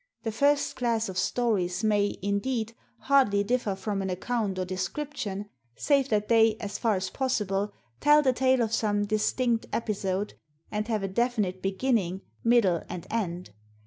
The first class of stories may, indeed, hardly differ from an account or description, save that they as far as possible tell the tale of some distinct episode and have a definite beginning, middle, and end.